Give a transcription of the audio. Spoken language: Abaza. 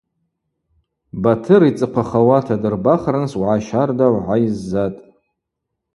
Батыр йцӏыхъвахауата дырбахырныс уагӏа щардагӏв гӏайззатӏ.